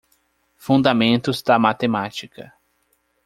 Fundamentos da matemática.